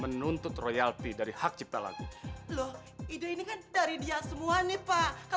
kan nyampe tinggi tingginya banyak